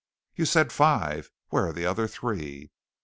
"You said five. Where are the other three?"